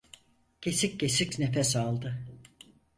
Kesik kesik nefes aldı.